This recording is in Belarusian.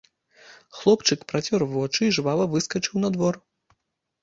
Хлопчык працёр вочы і жвава выскачыў на двор.